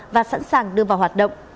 và sẵn sàng đưa vào hoạt động